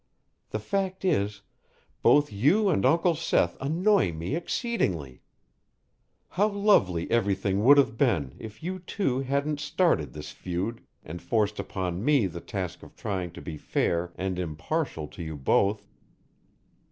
The fact is, both you and Uncle Seth annoy me exceedingly. How lovely everything would have been if you two hadn't started this feud and forced upon me the task of trying to be fair and impartial to you both."